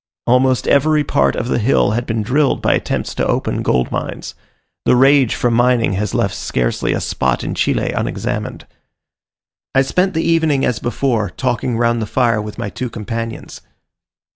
Almost every part of the hill had been drilled by attempts to open gold mines: the rage for mining has left scarcely a spot in Chile unexamined. I spent the evening as before, talking round the fire with my two companions.